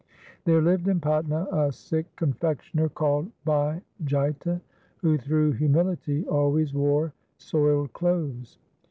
There lived in Patna a Sikh confectioner, called Bhai Jaita, who through humility always wore soiled clothes.